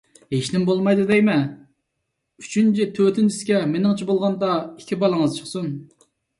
ھېچنىمە بولمايدۇ دەيمەن. ئۈچىنچى، تۆتىنچىسىگە مېنىڭچە بولغاندا ئىككى بالىڭىز چىقسۇن.